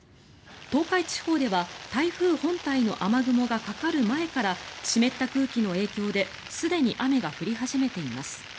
東海地方では台風本体の雨雲がかかる前から湿った空気の影響ですでに雨が降り始めています。